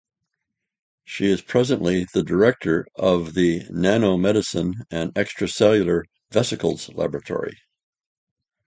She is presently the director of the Nanomedicine and Extracellular Vesicles Laboratory.